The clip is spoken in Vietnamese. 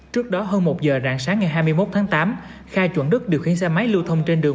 trước đó hơn một giờ rạng sáng ngày hai mươi một tháng tám kha chuẩn đức điều khiển xe máy lưu thông trên đường